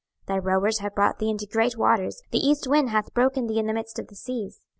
26:027:026 Thy rowers have brought thee into great waters: the east wind hath broken thee in the midst of the seas.